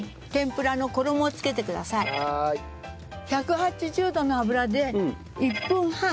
１８０度の油で１分半。